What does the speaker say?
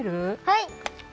はい。